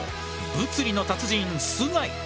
物理の達人須貝。